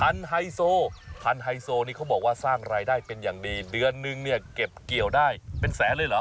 ไฮโซพันไฮโซนี่เขาบอกว่าสร้างรายได้เป็นอย่างดีเดือนนึงเนี่ยเก็บเกี่ยวได้เป็นแสนเลยเหรอ